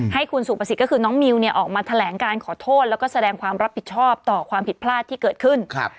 ให้คุณสุประสิทธิ์ก็คือน้องมิวเนี่ยออกมาแถลงการขอโทษแล้วก็แสดงความรับผิดชอบต่อความผิดพลาดที่เกิดขึ้น